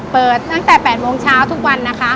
เปิดตั้งแต่๘โมงเช้าทุกวันนะคะ